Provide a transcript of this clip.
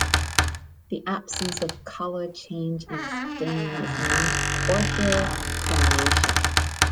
The absence of color change in staining is named orthochromasia.